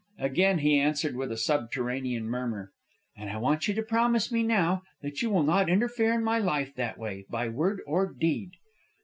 Again he answered with a subterranean murmur. "And I want you to promise me, now, that you will not interfere in my life that way, by word or deed."